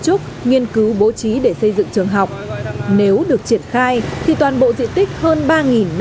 trúc nghiên cứu bố trí để xây dựng trường học nếu được triển khai thì toàn bộ diện tích hơn